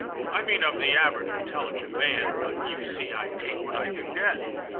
"I mean of the average intelligent man, but you see I take what I can get."